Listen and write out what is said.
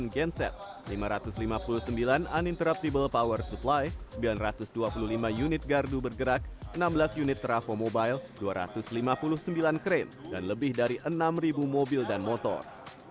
delapan genset lima ratus lima puluh sembilan uninterruptible power supply sembilan ratus dua puluh lima unit gardu bergerak enam belas unit trafo mobile dua ratus lima puluh sembilan krain dan lebih dari enam mobil dan motor